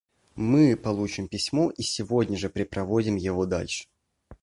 Мы получим письмо и сегодня же препроводим его дальше.